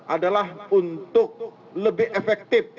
adalah untuk lebih efektif